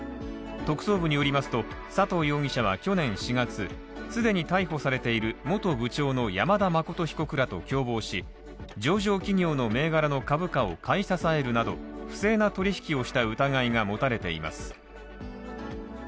特捜部によりますと、佐藤容疑者は去年４月、すでに逮捕されている元部長の山田誠被告らと共謀し上場企業の銘柄の株価を買い支えるなど、不正な取り引きをした疑いが持たれています。